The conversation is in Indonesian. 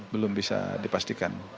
belum bisa dipastikan